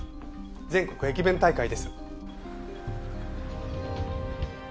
全国駅弁大会です。